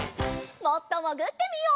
もっともぐってみよう。